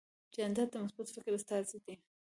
جانداد د مثبت فکر استازی دی.